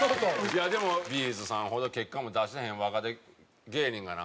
でもＢ’ｚさんほど結果も出してへん若手芸人がな